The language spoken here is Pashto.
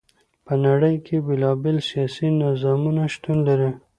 په نړی کی بیلا بیل سیاسی نظامونه شتون لری.